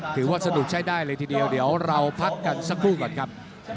ถือว่าสนุกใช้ได้เลยทีเดียวเดี๋ยวเราพักกันสักครู่ก่อนครับ